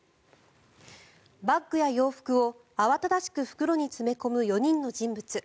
バッグや洋服を、慌ただしく袋に詰め込む４人の人物。